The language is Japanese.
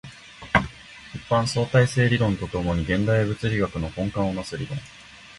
一般相対性理論と共に現代物理学の根幹を成す理論